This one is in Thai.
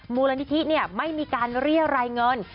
มูลนิธิไม่มีการเรียรายเงิน